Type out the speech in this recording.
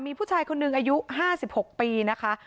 มีผู้ชายคนหนึ่งอายุ๕๖ปีนะคะ